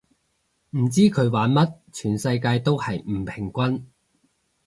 唔知佢玩乜，全世界都係唔平均